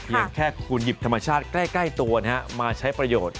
เพียงแค่คุณหยิบธรรมชาติใกล้ตัวนะครับมาใช้ประโยชน์